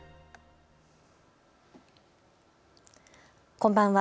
こんばんは。